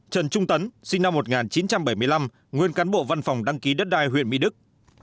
một mươi bốn trần trung tấn sinh năm một nghìn chín trăm bảy mươi năm nguyên cán bộ văn phòng đăng ký đất đai huyện mỹ đức